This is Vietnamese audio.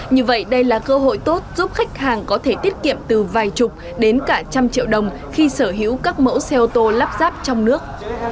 như vậy đây là cơ hội tốt giúp khách hàng có thể tiết kiệm từ vài chục đến cả trăm triệu đồng khi sở hữu các mẫu xe ô tô lắp ráp trong nước